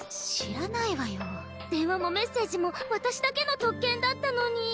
電話もメッセージも私だけの特権だったのに。